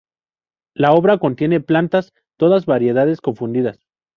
La obra contiene plantas, todas variedades confundidas.